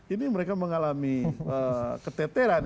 ini mereka mengalami keteteran